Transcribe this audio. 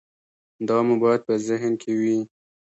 دا مو باید په ذهن کې وي.